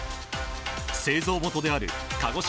製造元である鹿児島